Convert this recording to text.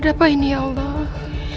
apa ini ya allah